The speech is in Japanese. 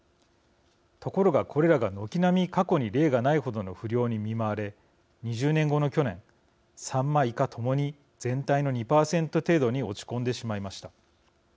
ところがこれらが軒並み過去に例がないほどの不漁に見舞われ２０年後の去年サンマイカともに全体の２％程度に落ち込んでしまいました。